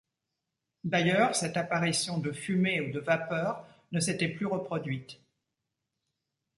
D’ailleurs cette apparition de fumée ou de vapeurs ne s’était plus reproduite.